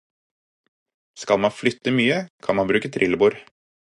Skal man flytte mye, kan man bruke trillebår.